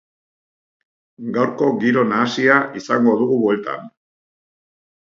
Gaurko giro nahasia izango dugu bueltan.